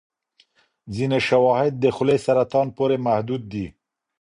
ځینې شواهد د خولې سرطان پورې محدود دي.